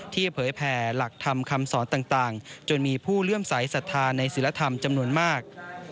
ที่เผยแผ่หลักธรรมคำสอนต่างจนมีผู้เลื่อมใสสัทธาในศิลธรรมจำนวนมาก